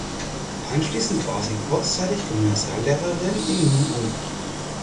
Anschließend war sie kurzzeitig Gymnasiallehrerin in Nuuk.